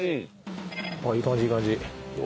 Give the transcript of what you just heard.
あっいい感じいい感じ